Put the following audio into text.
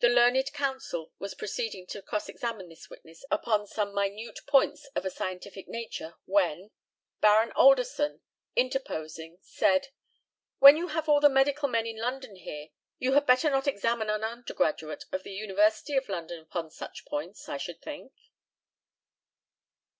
The learned counsel was proceeding to cross examine this witness upon some minute points of a scientific nature, when Baron ALDERSON, interposing, said, When you have all the medical men in London here, you had better not examine an undergraduate of the University of London upon such points, I should think.